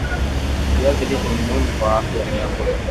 viazi lishe ni muhimu kwa afya ya ngozi